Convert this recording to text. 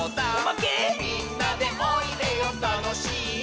「みんなでおいでよたのしいよ」